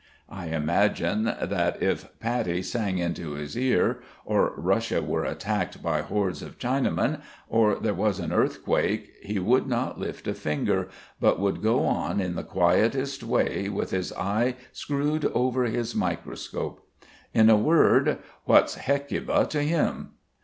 I imagine that if Patti sang into his ear, or Russia were attacked by hordes of Chinamen, or there was an earthquake, he would not lift a finger, but would go on in the quietest way with his eye screwed over his microscope. In a word: "What's Hecuba to him?"